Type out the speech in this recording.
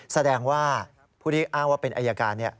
แสดงว่าผู้ที่อ้างว่าเป็นอายการ